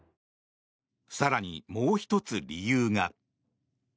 更にもう一つ理由が。